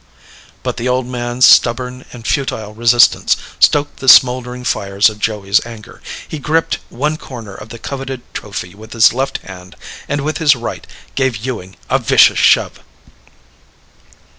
But the old man's stubborn and futile resistance stoked the smouldering fires of Joey's anger. He gripped one corner of the coveted trophy with his left hand, and with his right, gave Ewing a vicious shove.